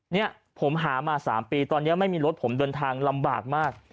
เนี่ยผมหามา๓ปีตอนนี้ไม่มีรถผมเดินทางลำบากมาก